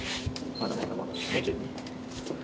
まだまだまだ。